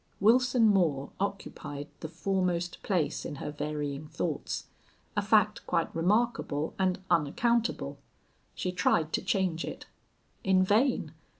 Wilson Moore occupied the foremost place in her varying thoughts a fact quite remarkable and unaccountable. She tried to change it. In vain!